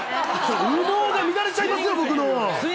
右脳が乱れちゃいますよ、僕の。